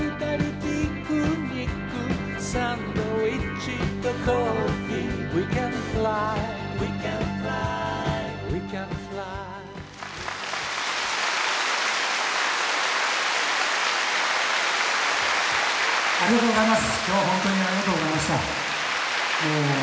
ありがとうございます。